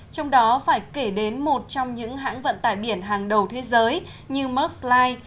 trong đó phải kể đến một trong những hãng vận tải biển hàng đầu thế giới như merckxline